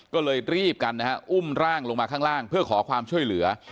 ก็เลยรีบกันนะฮะอุ้มร่างลงมาข้างล่างเพื่อขอความช่วยเหลือ